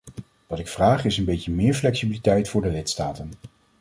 Wat ik vraag is een beetje meer flexibiliteit voor de lidstaten.